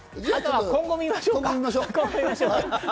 今後見ましょうか。